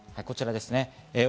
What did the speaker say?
こちらですね。